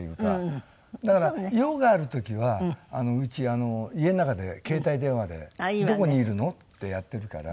だから用がある時は家の中で携帯電話で「どこにいるの？」ってやってるから。